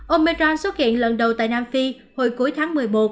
omicron xuất hiện lần đầu tại nam phi hồi cuối tháng một mươi một